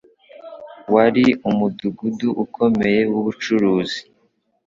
Wari umudugudu ukomeye w'ubucuruzi,